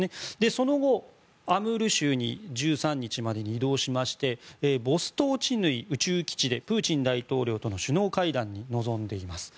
その後、アムール州に１３日までに移動しましてボストーチヌイ宇宙基地でプーチン大統領との首脳会談に臨んでいます。